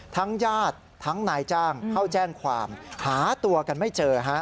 ญาติทั้งนายจ้างเข้าแจ้งความหาตัวกันไม่เจอฮะ